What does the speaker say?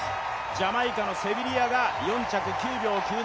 ジャマイカのセビリアが４着９秒９７。